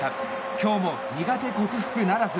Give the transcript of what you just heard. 今日も苦手克服ならず。